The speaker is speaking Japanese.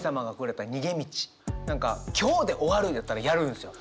何か今日で終わるんやったらやるんですよ。